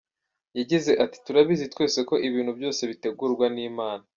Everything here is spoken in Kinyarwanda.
Yagize ati: “Turabizi twese ko ibintu byose bitegurwa n’Imana.